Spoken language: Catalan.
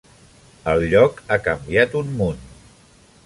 El lloc ha canviat un munt.